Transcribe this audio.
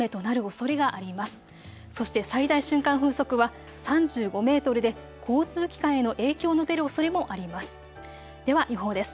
そして最大瞬間風速は３５メートルで交通機関への影響の出るおそれもあります。